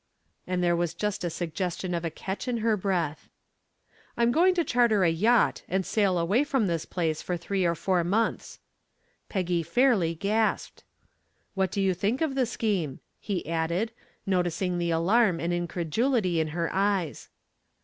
and there was just a suggestion of a catch in her breath. "I'm going to charter a yacht and sail away from this place for three or four months." Peggy fairly gasped. "What do you think of the scheme?" he added, noticing the alarm and incredulity in her eyes.